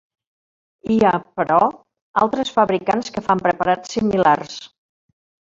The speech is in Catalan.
Hi ha, però, altres fabricants que fan preparats similars.